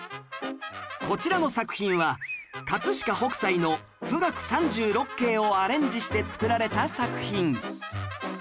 こちらの作品は飾北斎の『冨嶽三十六景』をアレンジして作られた作品